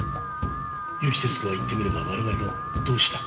結城節子は言ってみれば我々の同志だ。